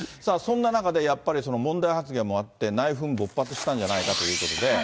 そんな中でやっぱり、問題発言もあって、内紛勃発したんじゃないかということで。